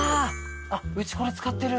うちこれ使ってる。